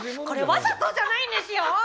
これ、わざとじゃないんですよ！